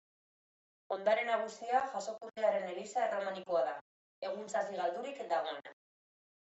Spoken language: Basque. Ondare nagusia Jasokundearen eliza erromanikoa da, egun sasi-galdurik dagoena.